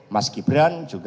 mas gibran juga